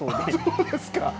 そうですか。